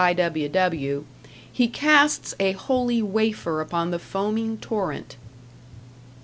W.W. he casts a holy wafer upon the foaming torrent.